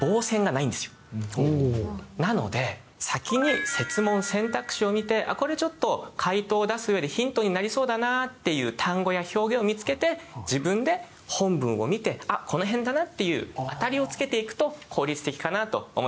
なので先に設問選択肢を見てこれちょっと解答を出す上でヒントになりそうだなっていう単語や表現を見つけて自分で本文を見てこの辺だなっていう当たりをつけていくと効率的かなと思います。